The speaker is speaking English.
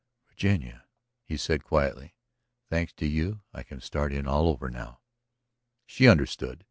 "Virginia," he said quietly, "thanks to you I can start in all over now." She understood.